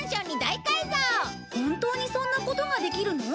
本当にそんなことができるの？